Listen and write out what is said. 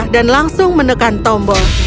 dan langsung menekan tombol